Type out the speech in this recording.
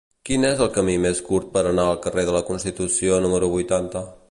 Quin és el camí més curt per anar al carrer de la Constitució número vuitanta?